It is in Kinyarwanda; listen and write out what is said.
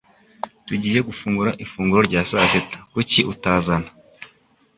Tugiye gusangira ifunguro rya sasita. Kuki utazana?